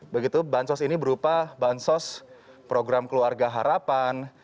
begitu bansos ini berupa bansos program keluarga harapan